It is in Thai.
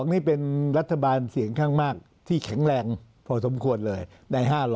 นี่เป็นรัฐบาลเสียงข้างมากที่แข็งแรงพอสมควรเลยได้๕๐๐